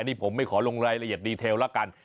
นี่ผมไม่ขอลงรายละเอียดดีเทลละกัน